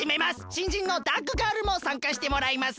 しんじんのダークガールもさんかしてもらいます。